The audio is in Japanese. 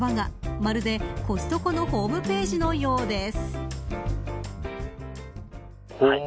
まるで、コストコのホームページのようです。